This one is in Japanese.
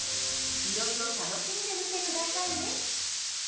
いろいろ楽しんでみてくださいね。